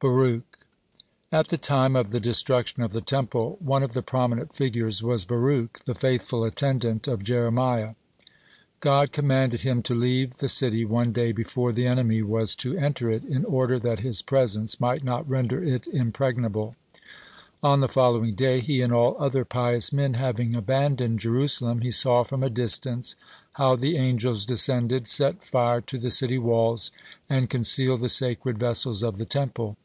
(64) BARUCH At the time of the destruction of the Temple, one of the prominent figures was Baruch, the faithful attendant (65) of Jeremiah. God commanded him to leave the city one day before the enemy was to enter it, in order that his presence might not render it impregnable. On the following day, he and all other pious men having abandoned Jerusalem, he saw from a distance how the angels descended, set fire to the city walls, and concealed the sacred vessels of the Temple.